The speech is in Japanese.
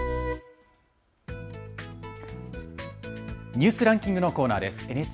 ニュースランキングのコーナーです。